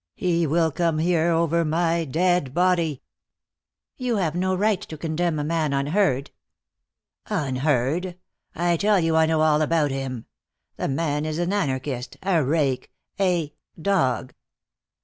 "He will come here over my dead body." "You have no right to condemn a man unheard." "Unheard! I tell you I know all about him. The man is an anarchist, a rake, a dog."